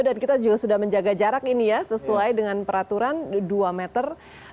dan kita juga sudah menjaga jarak ini ya sesuai dengan peraturan dua meter